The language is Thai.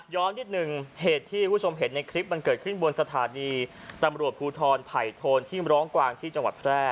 นิดหนึ่งเหตุที่คุณผู้ชมเห็นในคลิปมันเกิดขึ้นบนสถานีตำรวจภูทรไผ่โทนที่ร้องกวางที่จังหวัดแพร่